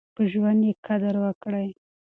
په ژوند يې قدر وکړئ.